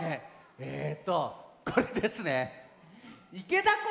えとこれですね。